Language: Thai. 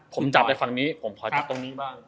ผมจับไปฝั่งนี้ผมขอจับตรงนี้บ้าง